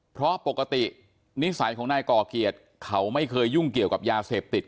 เพราะปกตินิสัยของนายก่อเกียรติเขาไม่เคยยุ่งเกี่ยวกับยาเสพติด